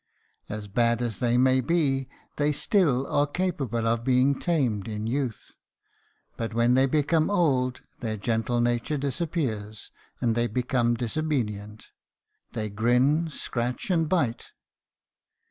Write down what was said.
As bad as they may be, they still are capable of being tamed in youth, but when they become old their gentle nature disappears, and they become disobedient; they grin, scratch, and bite.